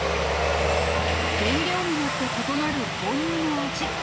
原料によって異なる豆乳の味。